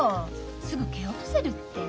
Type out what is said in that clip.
すぐ蹴落とせるって。